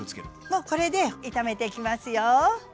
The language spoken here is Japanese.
もうこれで炒めていきますよ。